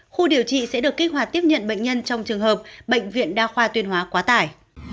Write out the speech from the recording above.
khu điều trị sẽ được kích hoạt tiếp nhận bệnh nhân trong trường hợp bệnh viện đa khoa tuyên hóa quá tải